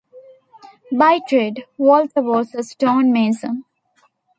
By trade, Walter was a stonemason.